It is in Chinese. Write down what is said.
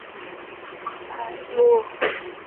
在礁群与海岸之间是一条极方便的交通海路。